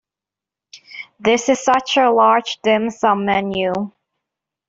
This is such a large dim sum menu.